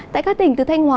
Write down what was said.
tại các tỉnh từ thanh hóa